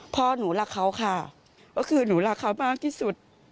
พ่อหนูรักเขาค่ะก็คือหนูรักเขามากที่สุด